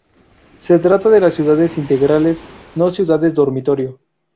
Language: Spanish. Se trata de ciudades integrales, no ciudades dormitorio.